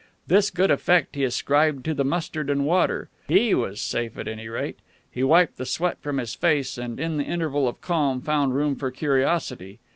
This good effect he ascribed to the mustard and water. He was safe, at any rate. He wiped the sweat from his face, and, in the interval of calm, found room for curiosity.